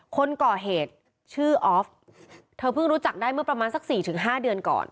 คนก่อเหตุชื่อออฟเธอเพิ่งรู้จักได้เมื่อประมาณสัก๔๕เดือนก่อน